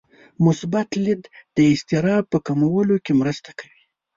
مثبت لید د اضطراب په کمولو کې مرسته کوي.